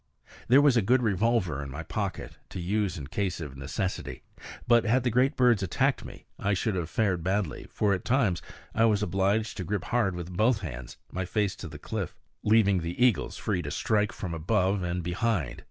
There was a good revolver in my pocket, to use in case of necessity; but had the great birds attacked me I should have fared badly, for at times I was obliged to grip hard with both hands, my face to the cliff, leaving the eagles free to strike from above and behind.